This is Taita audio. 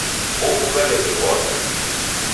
Ofugha w'eke pwaru.